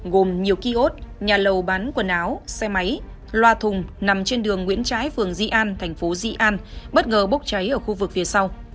gồm nhiều kiosk nhà lầu bán quần áo xe máy loa thùng nằm trên đường nguyễn trãi phường di an thành phố di an bất ngờ bốc cháy ở khu vực phía sau